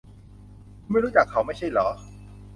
คุณไม่รู้จักเขาไม่ใช่หรอ ?